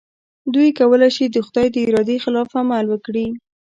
دوی کولای شي د خدای د ارادې خلاف عمل وکړي.